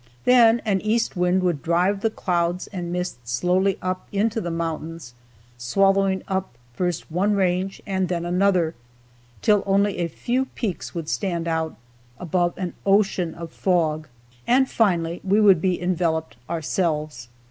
Then an east wind would drive the clouds and mist slowly up into the mountains, swallowing up first one range and then another, till only a few peaks would stand out, above an ocean of fog, and finally we would be enveloped ourselves.